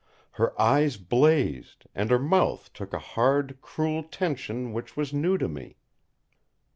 Her eyes blazed, and her mouth took a hard, cruel tension which was new to me.